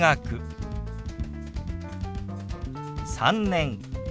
「３年」。